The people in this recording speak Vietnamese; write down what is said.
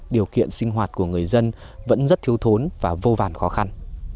điều kiện sinh hoạt của người dân vẫn rất thiếu thốn và vô vàn khó khăn